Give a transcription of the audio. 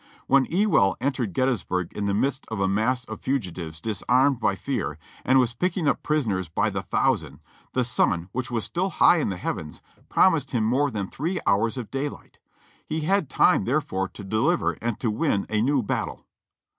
When Ewell entered Gettysburg in the midst of a mass of fugitives disarmed by fear, and was picking up prisoners by the thousand, the sun, w'hich was still high in the heavens, promised him more than three hours of daylight: he had time, therefore, to deliver and to win a new battle.